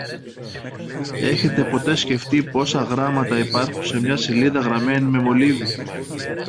Έχετε ποτέ σκεφτεί πόσα γράμματα υπάρχουν σε μια σελίδα γραμμένη με μολύβι